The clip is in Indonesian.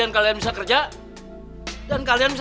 keluar meseja di bk attorney